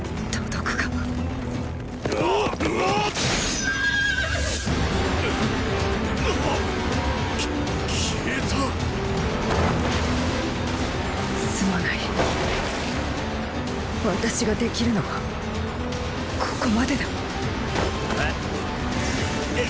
たっ⁉すまない私ができるのはここまでだえ？